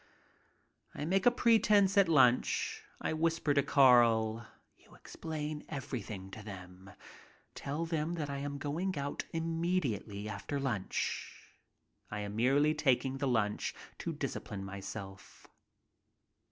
I make a pretense at lunch. I whisper to Carl, "You ex plain everything to them — tell them that I am going out immediately after lunch." I am merely taking the lunch to discipline myself.